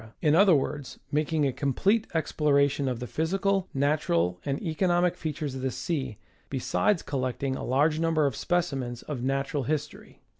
in other words, mak ing a complete exploration of the physical, natural and economic features of the sea, besides collecting a large number of specimens of natural history.